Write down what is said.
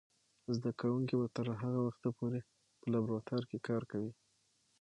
زده کوونکې به تر هغه وخته پورې په لابراتوار کې کار کوي.